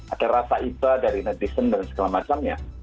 ada rasa iba dari netizen dan segala macamnya